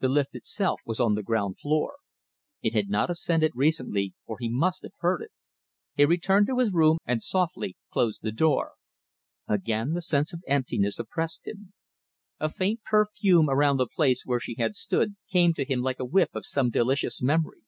The lift itself was on the ground floor. It had not ascended recently or he must have heard it. He returned to his room and softly closed the door. Again the sense of emptiness oppressed him. A faint perfume around the place where she had stood came to him like a whiff of some delicious memory.